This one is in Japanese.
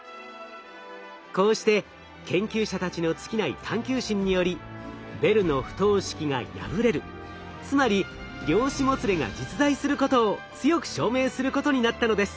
こうして研究者たちの尽きない探究心によりベルの不等式が破れるつまり量子もつれが実在することを強く証明することになったのです。